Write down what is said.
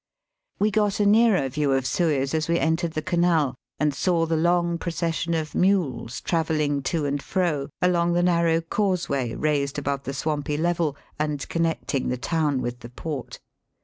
We gofc a nearer view of Suez as we entered the Canal, and saw the long procession of mules travel ling to and fro along the narrow causeway raised above the swampy level, and connecting Digitized by VjOOQIC 348 EAST BT WEST, the town with the port.